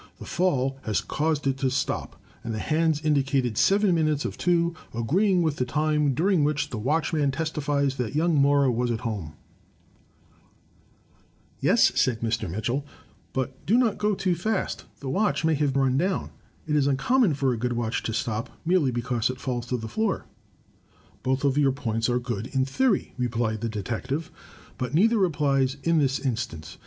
The fall had caused it to stop, and the hands indicated seven minutes of two, agreeing with the time during which the watchman testifies that young Mora was at home." 200 THE TECHNIQUE OF THE MYSTERY STORY Yes,'* said Mr. Mitchel, "but do not go too fast. The watch may have run down. It is uncommon for a good watch to stop, merely because it falls to the floor." "Both of your points are good, in theory," replied the detective. "But neither applies in this instance.